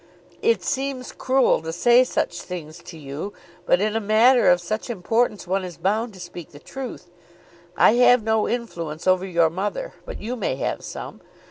"It seems cruel to say such things to you, but in a matter of such importance one is bound to speak the truth. I have no influence over your mother; but you may have some.